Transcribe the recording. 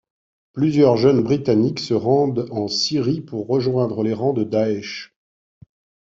Plusieurs jeunes britanniques se rendent en Syrie pour rejoindre les rangs de Daesh.